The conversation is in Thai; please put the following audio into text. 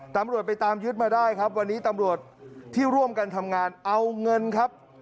ตำรวจไปตามยึดมาได้ครับวันนี้ตำรวจที่ร่วมกันทำงานเอาเงินครับ